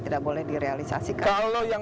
tidak boleh direalisasikan kalau yang